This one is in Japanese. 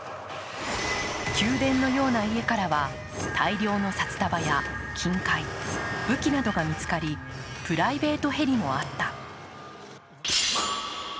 宮殿のような家からは大量の札束や金塊、武器などが見つかりプライベートヘリもあった。